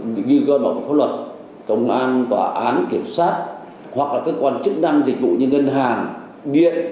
như gọi là pháp luật công an tòa án kiểm soát hoặc là các quan chức năng dịch vụ như ngân hàng điện